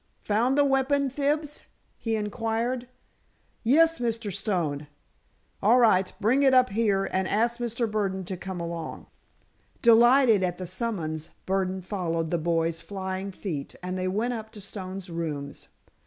"Found the weapon, Fibs?" he inquired. "Yes, Mr. Stone." "All right. Bring it up here, and ask Mr. Burdon to come along." Delighted at the summons, Burdon followed the boy's flying feet and they went up to Stone's rooms.